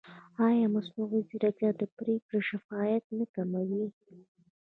ایا مصنوعي ځیرکتیا د پرېکړې شفافیت نه کموي؟